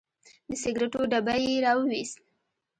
د سګریټو ډبی یې راوویست.